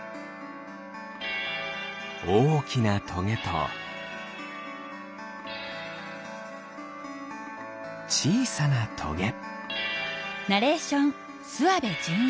おおきなトゲとちいさなトゲ。